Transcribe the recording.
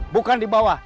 bukan di bawah